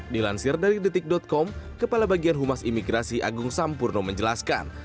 dilansir dari detik com kepala bagian humas imigrasi agung sampurno menjelaskan